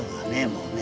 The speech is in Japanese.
もうね。